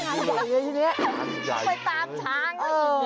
ไปตามช้าง